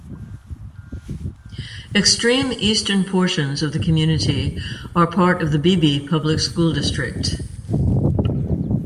Extreme eastern portions of the community are part of the Beebe Public School District.